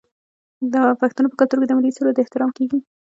د پښتنو په کلتور کې د ملي سرود احترام کیږي.